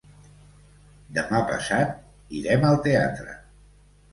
Demà passat irem al teatre.